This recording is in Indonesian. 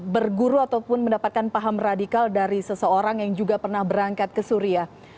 berguru ataupun mendapatkan paham radikal dari seseorang yang juga pernah berangkat ke suria